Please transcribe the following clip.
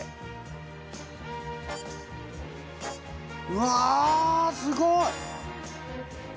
うわすごい！